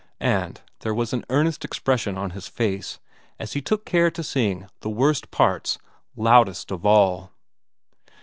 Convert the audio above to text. And there was an earnest expression on his face as he took care to sing the worst parts loudest of all.